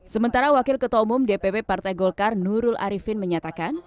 sementara wakil ketua umum dpp partai golkar nurul arifin menyatakan